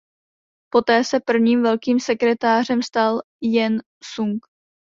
Poté se prvním velkým sekretářem stal Jen Sung.